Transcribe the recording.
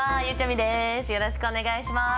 よろしくお願いします。